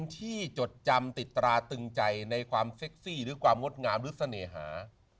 ที่จดจำติดตราตึงใจในความเซ็กซี่หรือความงดงามหรือเสน่หา